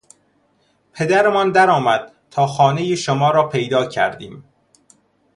پدرمان درآمد تا خانهی شما را پیدا کردیم!